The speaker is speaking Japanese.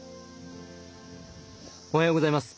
おはようございます。